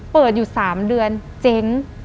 เปิดอยู่๓เดือนเจ๊ง